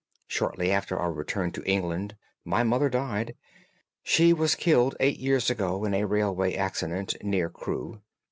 Shortly after our return to England my mother died—she was killed eight years ago in a railway accident near Crewe.